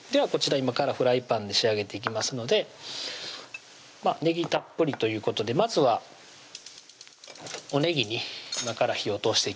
今からフライパンで仕上げていきますので「ねぎたっぷり」ということでまずはおねぎに今から火を通していきます